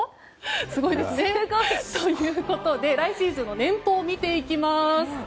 すごいですね。ということで来シーズンの年俸を見ていきます。